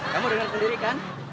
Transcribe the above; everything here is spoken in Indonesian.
kamu dengar sendiri kan